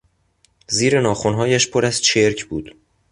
زیر ناخنهایش پر از چرک بود.